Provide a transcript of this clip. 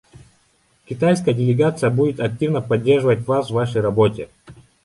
Китайская делегация будет активно поддерживать вас в вашей работе.